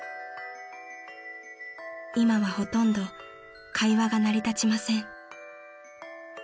［今はほとんど会話が成り立ちません］